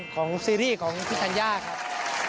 ซีรีส์ของพี่ธัญญาครับ